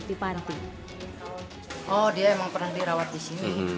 dia memang pernah dirawat di sini